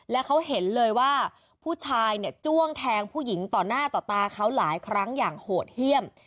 และเขาเห็นเลยว่าผู้ชายเนี่ยจ้วงแทงผู้หญิงต่อหน้าต่อตาเขาหลายครั้งอย่างโหดเยี่ยม